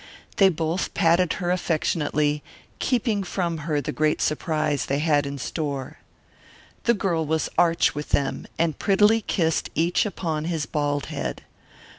They both patted her affectionately, keeping from her the great surprise they had in store. The girl was arch with them, and prettily kissed each upon his bald head.